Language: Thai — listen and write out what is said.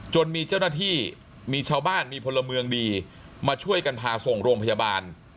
จนมีเจ้าหน้าที่มีชาวบ้านมีพลเมืองดีมาช่วยกันพาส่งโรงพยาบาล